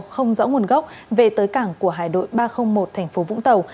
không rõ nguồn gốc về tới cảng của hải đội ba trăm linh một tp vũng tàu